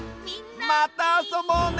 またあそぼうね！